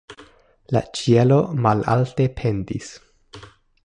La ĉielo malalte pendis.